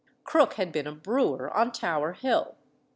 Crook had been a brewer on Tower Hill.